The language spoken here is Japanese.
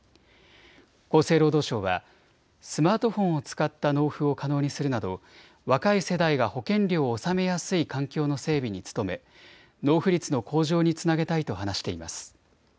厚生労働省はスマートフォンを使った納付を可能にするなど若い世代が保険料を納めやすい環境の整備に努め納付率の向上につなげたいと話しています。